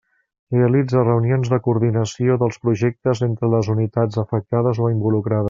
Realitza reunions de coordinació dels projectes entre les unitats afectades o involucrades.